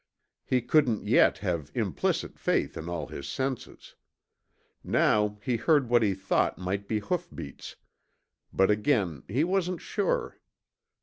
He couldn't yet have implicit faith in all his senses. Now he heard what he thought might be hoofbeats, but again he wasn't sure.